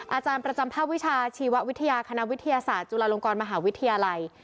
อาจารย์ประจำภาควิชาชีววิทยาคณะวิทยาศาสตร์จุฬาลงกรมหาวิทยาลัย